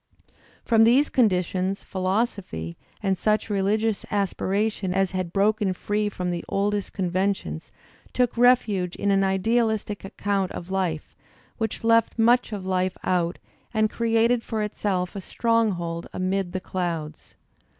From these conditions philosophy and such religious aspi ^; a ration as had broken free from the oldest conventions took refuge in an idealistic account of life which left much of life out and created for itself a stronghold amid the clouds.